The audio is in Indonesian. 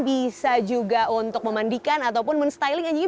bisa juga untuk memandikan ataupun men styling anjingnya